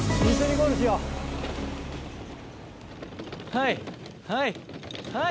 ・はいはいはい！